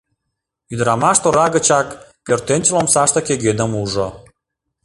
Ӱдырамаш тора гычак пӧртӧнчыл омсаште кӧгӧным ужо.